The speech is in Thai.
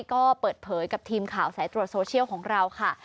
ก็เปิดเผยกับทีมข่าวสายตรวจโซเชียลของเราค่ะ